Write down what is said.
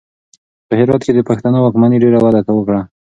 په هرات کې د پښتنو واکمنۍ ډېره وده وکړه.